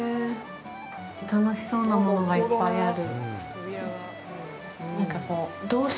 楽しそうなものがいっぱいある。